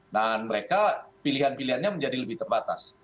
dan mereka pilihan pilihannya menjadi lebih terbatas